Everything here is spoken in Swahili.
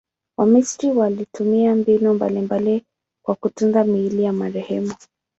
Wamisri walitumia mbinu mbalimbali kwa kutunza miili ya marehemu.